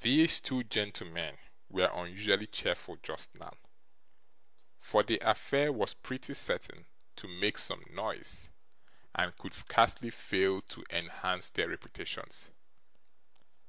These two gentlemen were unusually cheerful just now; for the affair was pretty certain to make some noise, and could scarcely fail to enhance their reputations.